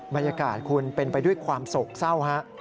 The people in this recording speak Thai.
บรรยากาศคุณเป็นไปด้วยความโศกเศร้าฮะ